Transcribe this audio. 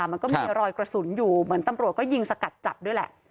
มันก็มีรอยกระสุนอยู่เหมือนตำรวจก็ยิงสกัดจับด้วยแหละ